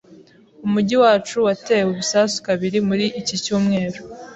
Umujyi wacu watewe ibisasu kabiri muri iki cyumweru.